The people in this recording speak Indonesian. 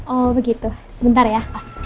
oh begitu sebentar ya